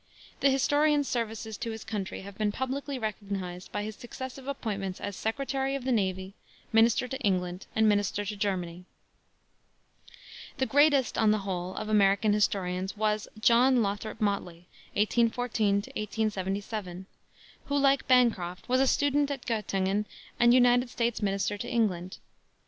The historian's services to his country have been publicly recognized by his successive appointments as Secretary of the Navy, Minister to England, and Minister to Germany. The greatest, on the whole, of American historians was John Lothrop Motley (1814 1877), who, like Bancroft, was a student at Göttingen and United States Minister to England.